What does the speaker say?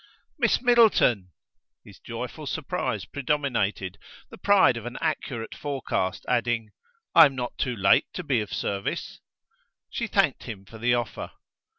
"Miss Middleton!" his joyful surprise predominated; the pride of an accurate forecast, adding: "I am not too late to be of service?" She thanked him for the offer.